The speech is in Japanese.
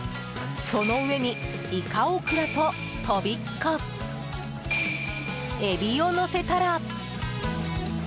その上に、イカオクラととびっこエビをのせたら。